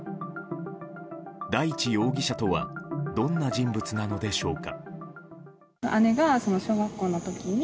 大地容疑者とはどんな人物なのでしょうか。